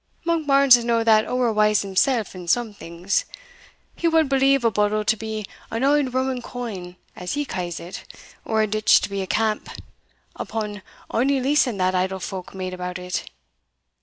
Monkbarns is no that ower wise himsell, in some things; he wad believe a bodle to be an auld Roman coin, as he ca's it, or a ditch to be a camp, upon ony leasing that idle folk made about it.